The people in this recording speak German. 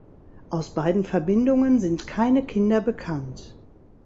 Aus beiden Verbindungen sind keine Kinder bekannt.